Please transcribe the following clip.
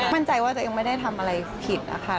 มั่นใจว่าตัวเองไม่ได้ทำอะไรผิดนะคะ